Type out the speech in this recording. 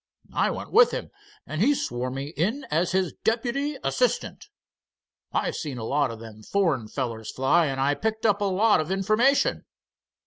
I went with him, and he swore me in as his deputy assistant. I seen a lot of them foreign fellers fly, and I picked up a lot of information."